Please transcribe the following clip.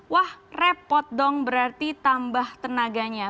wah repot dong berarti tambah tenaganya